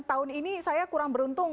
tahun ini saya kurang beruntung